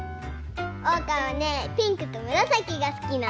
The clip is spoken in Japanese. おうかはねピンクとむらさきがすきなの！